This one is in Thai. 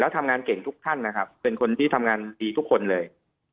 ทำงานเก่งทุกท่านนะครับเป็นคนที่ทำงานดีทุกคนเลย